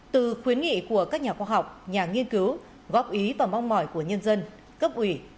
từ khuyến nghị của các nhà khoa học nhà nghiên cứu góp ý và mong mỏi của nhân dân cấp ủy